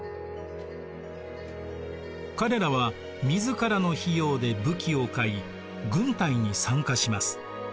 彼らは自らの費用で武器を買い軍隊に参加します。